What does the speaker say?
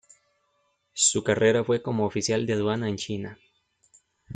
Su carrera fue como oficial de aduana en China.